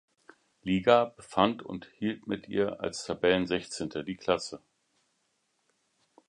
Liga befand und hielt mit ihr als Tabellensechzehnter die Klasse.